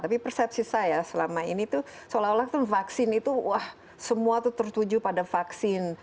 tapi persepsi saya selama ini tuh seolah olah vaksin itu wah semua tuh tertuju pada vaksin